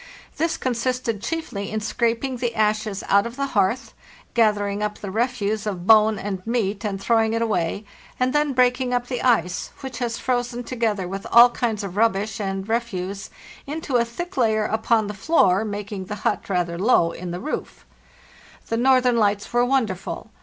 This consisted chiefly in scraping the ashes out of the hearth, gathering up the refuse of bone and meat, and throwing it away, and then breaking up the ice, which has frozen together with all kinds of rubbish and refuse into a thick layer upon the floor, making the hut rather Jow in the roof. "The northern lights were wonderful.